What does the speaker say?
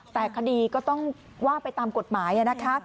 แต่คดีก็ต้องว่าไปตามกฎหมายนะคะ